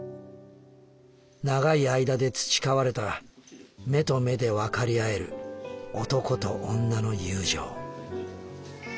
長い間で培われた目と目でわかり合える男と女の友情」。